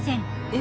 え。